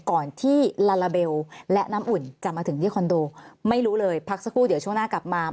ก่อนที่ลาลาเบลและน้ำอุ่นจะมาถึงที่คอนโดไม่รู้เลยพักสักครู่เดี๋ยวช่วงหน้ากลับมา